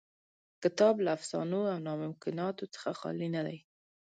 کتاب له افسانو او ناممکناتو څخه خالي نه دی.